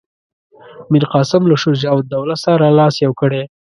میرقاسم له شجاع الدوله سره لاس یو کړی.